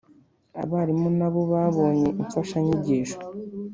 abarimu na bo babonye imfashanyigisho